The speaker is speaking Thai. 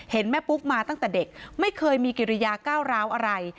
เห็นแม่ปุ๊กมาตั้งแต่เด็กไม่เคยมีกิริยาก้าวร้าวอะไร